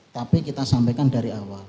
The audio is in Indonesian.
tapi kita sampaikan dari awal